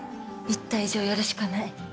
言った以上やるしかない。